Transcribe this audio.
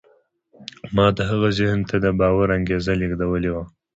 ما د هغه ذهن ته د باور انګېزه لېږدولې وه.